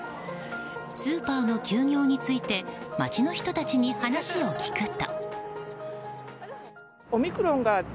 スーパーの休業について街の人たちに話を聞くと。